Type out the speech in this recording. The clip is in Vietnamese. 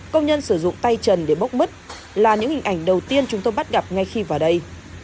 công nhân sử dụng tay trần để bốc mứt là những hình ảnh đầu tiên chúng tôi bắt gặp ngay khi vào đây